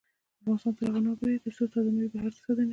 افغانستان تر هغو نه ابادیږي، ترڅو تازه میوې بهر ته صادرې نشي.